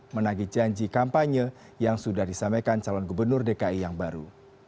menagi janji kampanye yang sudah disampaikan calon gubernur dki yang baru